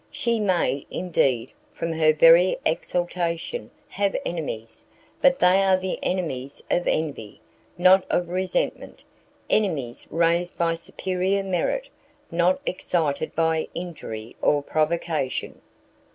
she may, indeed, from her very exaltation, have enemies, but they are the enemies of envy, not of resentment, enemies raised by superior merit, not excited by injury or provocation!"